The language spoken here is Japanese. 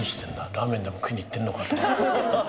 ラーメンでも食いに行ってんのか？とか。